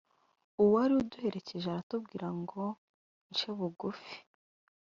uwari uduherekeje aratubwira ngo nce bugufi